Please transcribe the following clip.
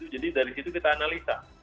jadi dari situ kita analisa